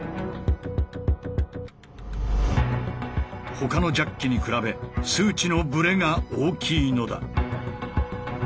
他のジャッキに比べ数値のブレが大きいのだ。